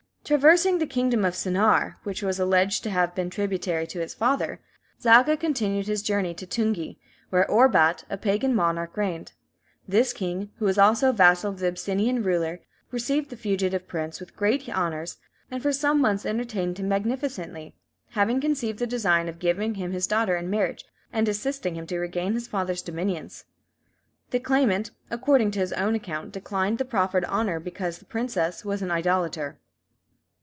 Traversing the kingdom of Senaar, which was alleged to have been tributary to his father, Zaga continued his journey to Tungi, where Orbat, a pagan monarch, reigned. This king, who also was a vassal of the Abyssinian ruler, received the fugitive prince with great honours, and for some months entertained him magnificently, having conceived the design of giving him his daughter in marriage, and assisting him to regain his father's dominions. The claimant, according to his own account, declined the proffered honour because the princess was an idolater.